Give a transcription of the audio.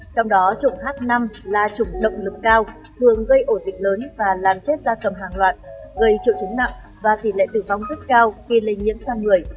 trong đó chủng h năm là chủng động lực cao thường gây ổ dịch lớn và làm chết da cầm hàng loạt gây triệu chứng nặng và tỷ lệ tử vong rất cao khi lây nhiễm sang người